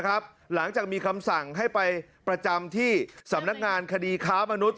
หลังจากมีคำสั่งให้ไปประจำที่สำนักงานคดีค้ามนุษย